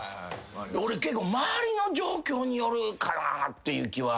俺周りの状況によるかなっていう気は。